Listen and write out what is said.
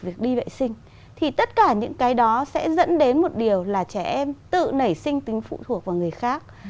mình thì tất cả những cái đó sẽ dẫn đến một điều là trẻ em tự nảy sinh tính phụ thuộc vào người khác